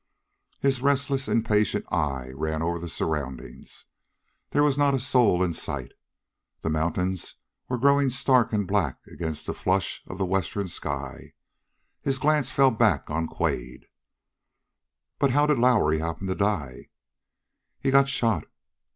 His restless, impatient eye ran over the surroundings. There was not a soul in sight. The mountains were growing stark and black against the flush of the western sky. His glance fell back upon Quade. "But how did Lowrie happen to die?" "He got shot."